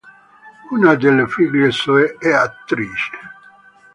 Una delle figlie, Zoe, è attrice.